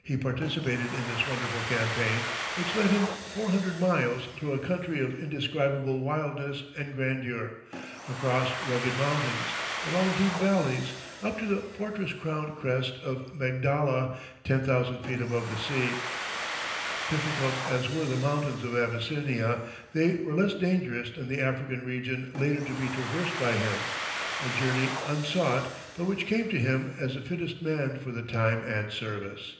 He participated in this wonderful campaign, which led him four hundred miles through a country of indescribable wildness and grandeur, across rugged mountains, along deep valleys, up to the fortress crowned crest of Magdala, ten thousand feet above the sea. Difficult as were the mountains of Abyssinia, they were less dangerous than the African region later to be traversed by him; a journey unsought, but which came to him as the fittest man for the time and service.